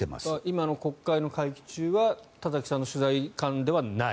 今の国会の会期中は田崎さんの取材感ではない？